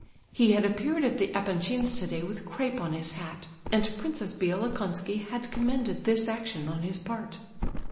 He had appeared at the Epanchins' today with crape on his hat, and Princess Bielokonski had commended this action on his part.